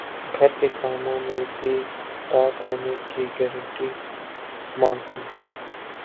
گھر کے کاموں میں بھی طاق ہونے کی گارنٹی مانگتی ہیں